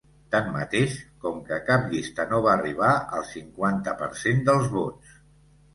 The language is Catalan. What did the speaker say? Tanmateix, com que cap llista no va arribar al cinquanta per cent dels vots.